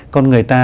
còn người ta